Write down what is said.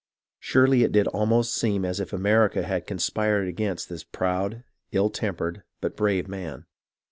Surely it did almost seem as if America had conspired against this proud, ill tempered, but brave man.